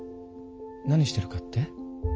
何してるかって？